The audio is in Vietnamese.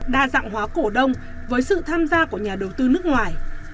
đa dạng hóa cổ đông với sự tham gia của nhà đầu tư nước ngoài